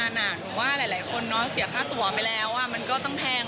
หนูว่าหลายคนเสียค่าตัวไปแล้วมันก็ต้องแพง